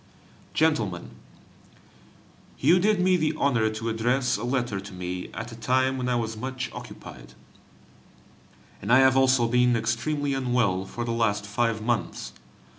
GENTLEMEN, You did me the honor to address a letter to me at a time when I was much occupied, and I have also been extremely unwell for the last five months.